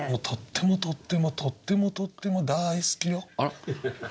「とってもとってもとってもとっても大スキよ」。